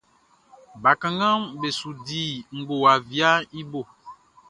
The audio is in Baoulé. Bakannganʼm be su di ngowa viaʼn i bo.